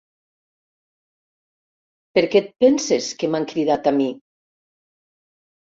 Per què et penses que m'han cridat a mi?